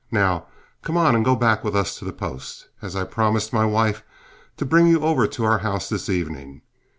Now, come on and go back with us to the post, as I promised my wife to bring you over to our house this evening.